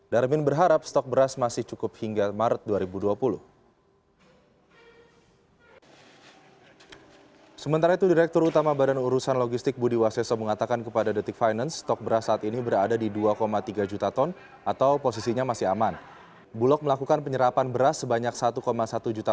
darmin berharap stok beras masih cukup hingga maret dua ribu dua puluh satu juta